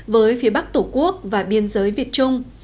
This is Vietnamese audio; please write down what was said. với phía bắc tổ quốc và biên giới việt trung